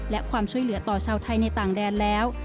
และความช่วยเหลือต่อชาวไทยในต่างแดนแล้ว